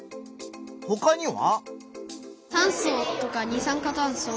ほかには？